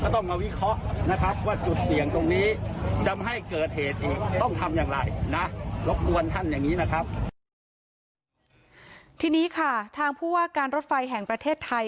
ทีนี้ค่ะทางผู้ว่าการรถไฟแห่งประเทศไทย